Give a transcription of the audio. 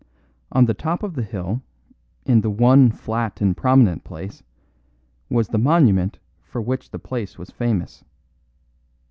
On the top of the hill, in the one flat and prominent place, was the monument for which the place was famous.